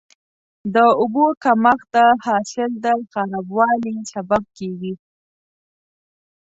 د اوبو کمښت د حاصل د خرابوالي سبب کېږي.